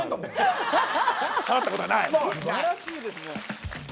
すばらしいですね。